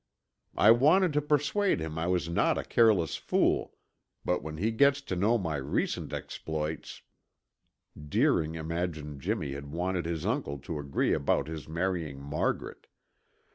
I wanted to persuade him I was not a careless fool; but when he gets to know my recent exploits " Deering imagined Jimmy had wanted his uncle to agree about his marrying Margaret.